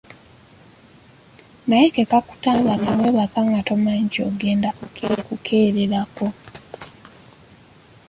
Naye ke kakutanda ne weebaka nga tomanyi ky'ogenda kukeererako.